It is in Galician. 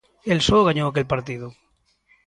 El só gañou aquel partido.